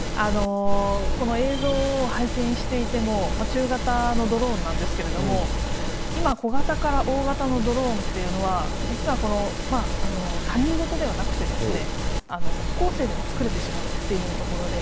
この映像を拝見していても、中型のドローンなんですけれども、今、小型から大型のドローンっていうのは、実は、他人事ではなくてですね、高校生でも作れてしまうというところで。